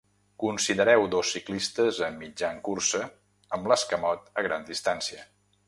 Considereu dos ciclistes a mitjan cursa, amb l'escamot a gran distància.